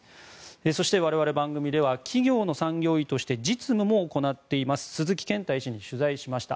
そして、我々番組では企業の産業医として実務も行っています鈴木健太医師に取材しました。